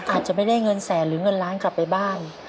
อาจจะไม่ได้เงินแสนหรือเงินล้านกลับไปบ้าน